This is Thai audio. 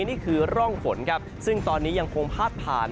นี่คือร่องฝนครับซึ่งตอนนี้ยังคงพาดผ่าน